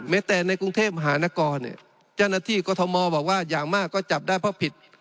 แม้แต่ในกรุงเทพฯหานกรจันนที่กทมบอกว่าอย่างมากก็จับได้เพราะผิด